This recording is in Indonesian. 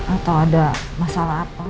atau ada masalah apa